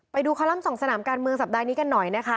ไปดูคอลัมป์สองสนามการเมืองสัปดาห์นี้กันหน่อยนะคะ